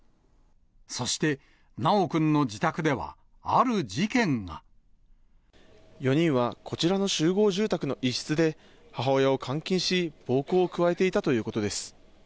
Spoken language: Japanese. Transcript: そして、修くんの自宅では、４人は、こちらの集合住宅の一室で、母親を監禁し、暴行を加えていたということです。